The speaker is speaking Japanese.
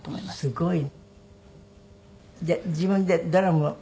すごい！